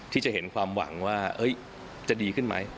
ที่จะเห็นความหวังว่าจะดีขึ้นไหม